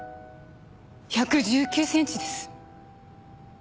１１９ｃｍです。